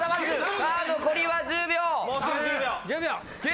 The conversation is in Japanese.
残りは１０秒！